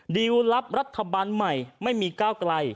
ดิวลลับรัฐบาลใหม่ไม่มีก้าวไกล